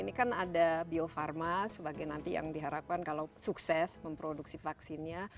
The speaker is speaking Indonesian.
ini kan ada bio farma sebagai nanti yang diharapkan kalau sukses memproduksi vaksinnya